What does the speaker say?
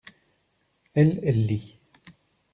Elle, elle lit.